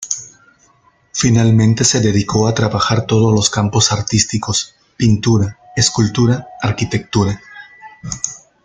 Finalmente se dedicó a trabajar todos los campos artísticos, pintura, escultura, arquitectura.